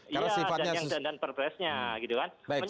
iya dan yang dandan perpresnya gitu kan